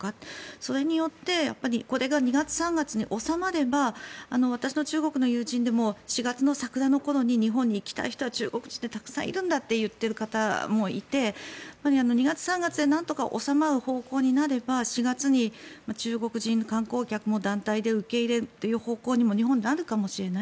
それによってこれが２月、３月に収まれば私の中国の友人でも４月の桜の頃に日本に行きたい人は中国人でたくさんいるんだと言っている方もいて２月、３月でなんとか収まる方向になれば４月に中国人観光客も団体で受け入れるという方向にも日本はなるかもしれない。